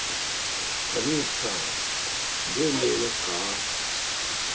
谷口さん、どう見えますか。